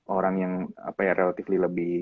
orang yang apa ya relatively lebih